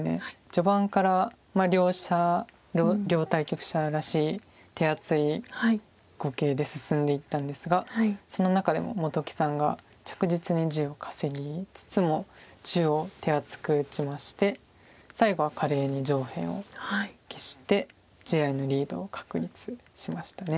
序盤から両対局者らしい手厚い碁形で進んでいったんですがその中でも本木さんが着実に地を稼ぎつつも中央手厚く打ちまして最後は華麗に上辺を消して地合いのリードを確立しました。